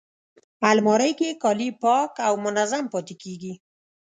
الماري کې کالي پاک او منظم پاتې کېږي